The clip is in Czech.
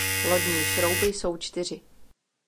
Lodní šrouby jsou čtyři.